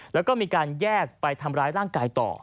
แล้วก็มีการแยกไปทำร้ายร่างกายต่อ